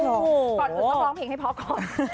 ก่อนอื่นต้องร้องเพลงให้พอก่อน